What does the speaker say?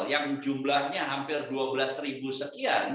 yang jumlahnya hampir dua belas ribu sekian